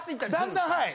だんだんはい。